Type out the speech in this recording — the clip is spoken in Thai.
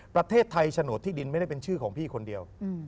ประเทศไทยโฉนดที่ดินไม่ได้เป็นชื่อของพี่คนเดียว